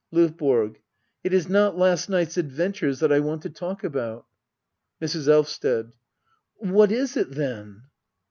LdVBORG. It is not last night's adventures that I want to talk about. Mrs. Elvsted. What is it then